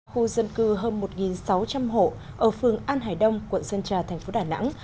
khu dân cư hơn một sáu trăm linh hộ ở phường an hải đông quận sơn trà thành phố đà nẵng